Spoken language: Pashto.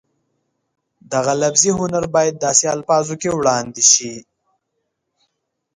دغه لفظي هنر باید داسې الفاظو کې وړاندې شي